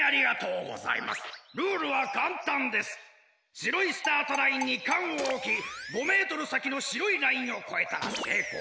しろいスタートラインにかんをおき５メートルさきのしろいラインをこえたらせいこう。